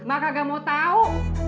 mak kagak mau tahu